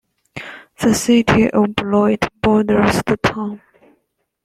The city of Beloit borders the town.